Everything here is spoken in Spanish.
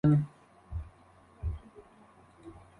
Un claro ejemplo se ve en "Alicia en el País de las Maravillas".